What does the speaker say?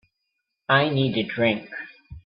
I need a drink.